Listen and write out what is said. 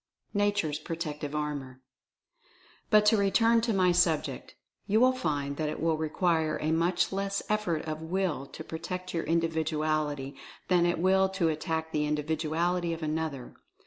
nature's protective power. But to return to my subject. You will find that it will require a much less effort of Will to protect your Individuality than it will to attack the Individuality of another.